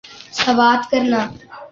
سوات کرنا